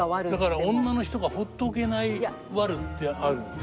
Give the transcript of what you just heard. だから女の人がほっておけないワルってあるんですよね。